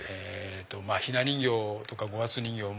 まぁ雛人形とか五月人形も。